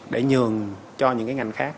để nhường cho những cái ngành khác